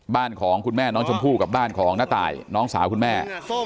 บ้านของคุณแม่น้องชมพู่กับบ้านของน้าตายน้องสาวคุณแม่